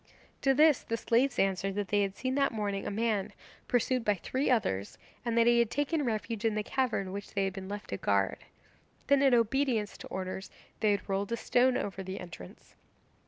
To this the slaves answered that they had seen that morning a man pursued by three others, and that he had taken refuge in the cavern which they had been left to guard. Then, in obedience to orders, they had rolled a stone over the entrance.